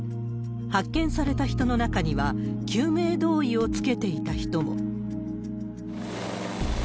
発見された人の中には、救命胴衣をつけていた人も。